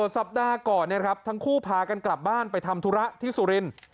สัปดาห์ก่อนทั้งคู่พากันกลับบ้านไปทำธุระที่สุรินทร์